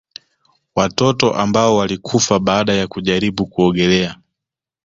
Watoto ambao walikufa baada ya kujaribu kuogelea